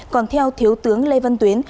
còn theo thiếu tướng lê văn tuyến